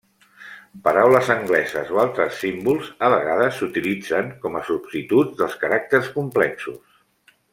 Paraules angleses o altres símbols a vegades s'utilitzen com a substituts dels caràcters complexos.